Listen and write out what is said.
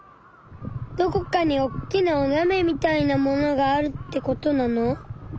どこかにおっきなおなべみたいなものがあるってことなの？